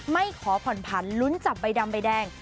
ไม่ขอผ่อนผันลุ้นจับใบดำใบแดง